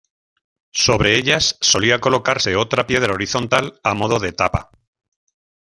Sobre ellas solía colocarse otra piedra horizontal a modo de tapa.